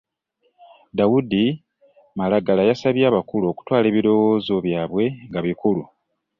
Daudi Malagala yasabye abakulu okutwala ebiriwoozo byabwe nga bikulu